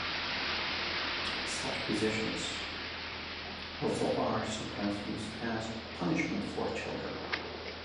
Such positions also are sometimes used as a punishment for children.